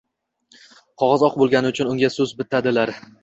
Qog’oz oq bo’lgani uchun unga So’z bitadilar.